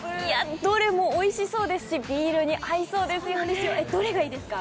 どれもおいしそうですしビールに合いそうですよね！